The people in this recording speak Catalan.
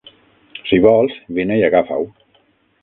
Si vols, vine i agafa-ho.